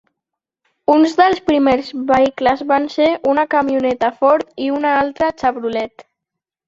Uns dels primers vehicles van ser una camioneta Ford i una altra Chevrolet.